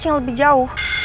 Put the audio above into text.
yang lebih jauh